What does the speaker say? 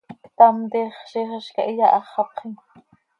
Ctam, tiix ziix hizcah iyaháxapxim.